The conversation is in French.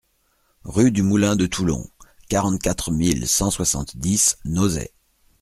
Rue du Moulin de Toulon, quarante-quatre mille cent soixante-dix Nozay